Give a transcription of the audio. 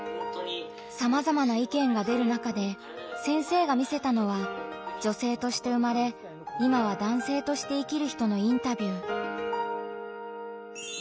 さまざまな意見が出る中で先生が見せたのは女性として生まれ今は男性として生きる人のインタビュー。